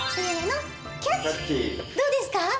どうですか？